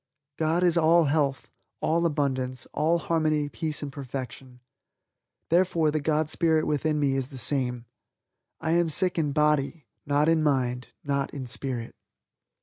God is all health, all abundance, all harmony, peace and perfection. Therefore the God Spirit within me is the same. I am sick in body; not in mind, not in Spirit.